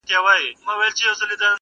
کيسه د ټولني نقد دی ښکاره,